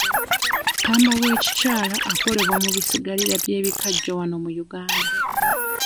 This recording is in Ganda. Ppamba w'ekikyala akolebwa mu bisigalira by'ebikajjo wano mu Uganda.